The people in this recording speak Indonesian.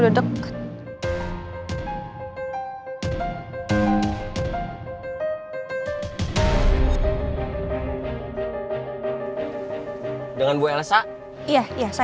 dengan bu elsa